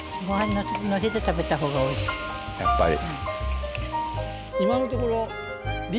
やっぱり。